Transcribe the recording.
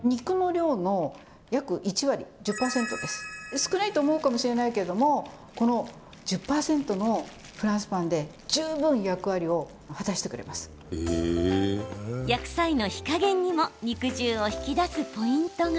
少ないと思うかもしれないけれどもこの１０％のフランスパンで焼く際の火加減にも肉汁を引き出すポイントが。